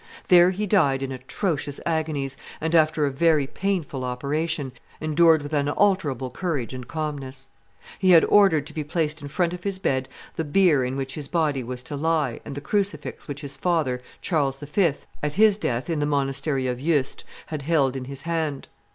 There he died in atrocious agonies, and after a very painful operation, endured with unalterable courage and calmness; he had ordered to be placed in front of his bed the bier in which his body was to lie and the crucifix which his father, Charles V., at his death in the monastery of Yuste, had held in his hand.